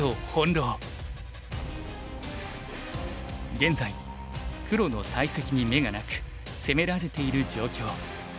現在黒の大石に眼がなく攻められている状況。